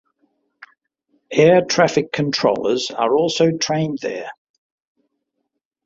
Air traffic controllers are also trained there.